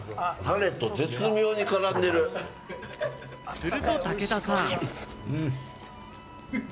すると、武田さん。